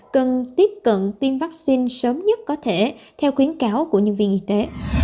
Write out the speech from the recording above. cần tiếp cận tiêm vaccine sớm nhất có thể theo khuyến cáo của nhân viên y tế